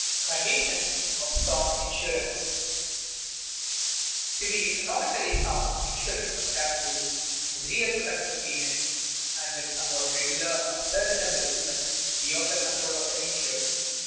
[Sidenote: Conditions of sound insurance] 6. _To be economically sound, insurance must have to do with real productive agents, and with somewhat regular, ascertainable events beyond the control of the insured.